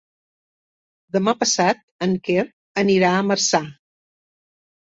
Demà passat en Quer anirà a Marçà.